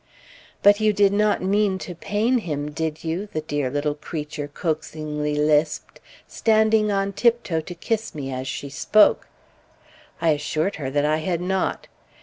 "But you did not mean to pain him, did you?" the dear little creature coaxingly lisped, standing on tiptoe to kiss me as she spoke. I assured her that I had not.